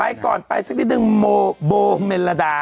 ไปก่อนไปสักนิดนึงโมเมลดา